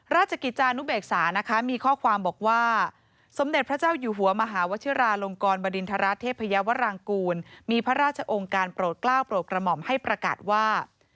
ราชกิจจานุเบกษานะคะมีข้อความบอกว่าสมเด็จพระเจ้าอยู่หัวมหาวชิราลงกรบริณฑราเทพยาวรางกูลมีพระราชองค์การโปรดกล้าวโปรดกระหม่อมให้ประกาศว่า